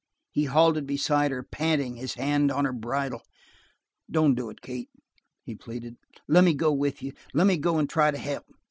He halted beside her, panting, his hand on her bridle. "Don't do it, Kate!" he pleaded. "Lemme go with you. Lemme go and try to help."